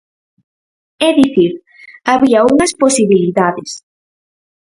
É dicir, había unhas posibilidades.